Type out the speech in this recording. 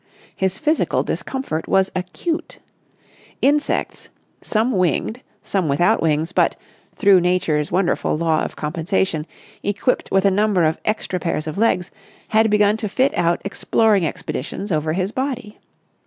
His physical discomfort was acute. Insects, some winged, some without wings but—through Nature's wonderful law of compensation—equipped with a number of extra pairs of legs, had begun to fit out exploring expeditions over his body.